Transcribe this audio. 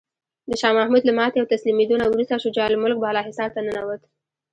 د شاه محمود له ماتې او تسلیمیدو نه وروسته شجاع الملک بالاحصار ته ننوت.